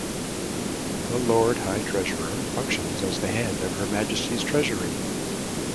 The Lord High Treasurer functions as the head of Her Majesty's Treasury.